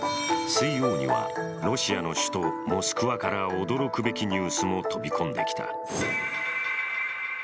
水曜には、ロシアの首都モスクワから驚くべきニュースも飛び込んできた。